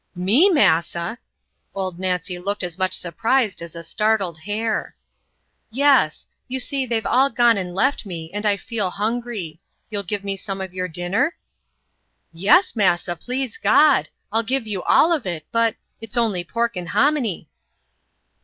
"Me, massa!" Old Nancy looked as much surprised as a startled hare. "Yes. You see they've all gone and left me, and I feel hungry. You'll give me some of your dinner?" "Yes, massa, please God! I'll give you all of it but, it's only pork and hominy."